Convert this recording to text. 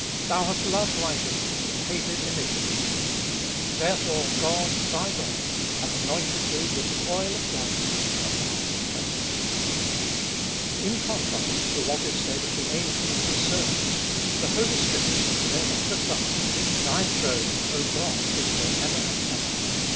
9. Thou hast loved righteousness, and hated iniquity ; Therefore God, thy God, hath anointed thee With the oil of gladness above thy fellows (Ps. xlv. 7, 8). IN contrast to what is said of the angels as servants, the Holy Spirit hath said of the Son, Thy throne, 0 God, is for ever and ever.